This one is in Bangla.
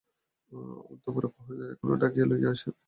অন্তঃপুরের প্রহরীদের এখনি ডাকিয়া লইয়া এস!